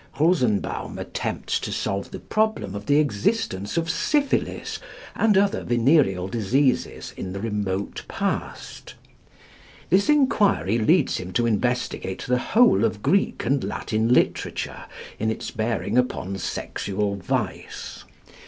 Rosenbaum attempts to solve the problem of the existence of syphilis and other venereal diseases in the remote past. This enquiry leads him to investigate the whole of Greek and Latin literature in its bearing upon sexual vice.